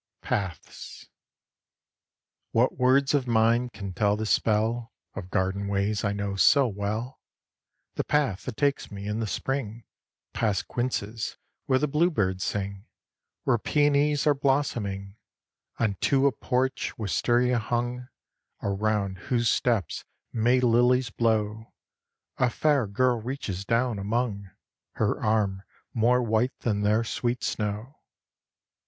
PATHS I. What words of mine can tell the spell Of garden ways I know so well? The path that takes me, in the spring, Past quinces where the blue birds sing, Where peonies are blossoming, Unto a porch, wistaria hung, Around whose steps May lilies blow, A fair girl reaches down among, Her arm more white than their sweet snow.